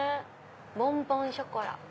「ボンボンショコラ」。